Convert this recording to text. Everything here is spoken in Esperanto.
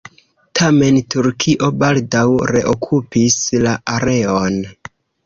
Tamen, Turkio baldaŭ reokupis la areon.